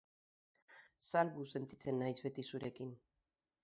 Salbu sentitzen naiz beti zurekin.